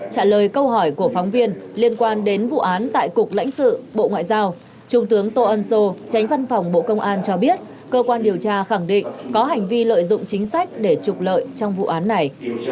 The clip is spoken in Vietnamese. trả lời câu hỏi của phóng viên liên quan đến vụ án tại cục lãnh sự bộ ngoại giao trung tướng tô ân sô tránh văn phòng bộ công an cho biết cơ quan điều tra khẳng định có hành vi lợi dụng chính sách để trục lợi trong vụ án này